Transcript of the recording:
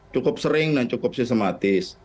cukup sering dan cukup sistematis